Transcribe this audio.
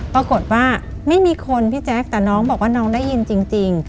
ปรากฏว่าไม่มีคนพี่แจ๊คแต่น้องบอกว่าน้องได้ยินจริง